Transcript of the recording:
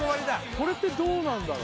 これってどうなんだろ